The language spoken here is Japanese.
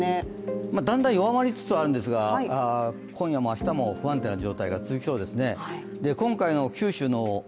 だんだん弱まりつつあるんですけど今夜もあさっても不安定な状況が続きそうですね。